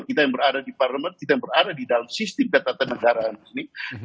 kita yang berada di dalam sistem kata kata negaraan ini